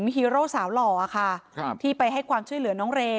ฮีโร่สาวหล่อค่ะที่ไปให้ความช่วยเหลือน้องเรย